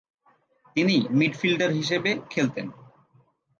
তিনি মিডফিল্ডার হিসেবে খেলতেন।